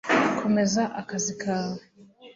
Komeza akazi kawe